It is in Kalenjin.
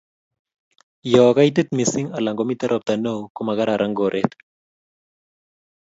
yo kaitit mising anan komiten ropta neoo komagararan koret